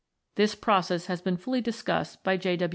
This process has been fully discussed by J.